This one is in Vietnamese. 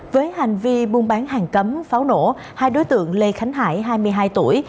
với hành vi buôn bán hàng cấm pháo nổ hai đối tượng lê khánh hải hai mươi hai tuổi